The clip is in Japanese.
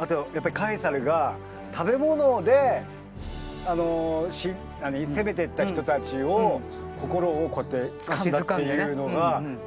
あとやっぱりカエサルが食べ物で攻めてった人たちを心をこうやってつかんだっていうのがすごい何か好きになりました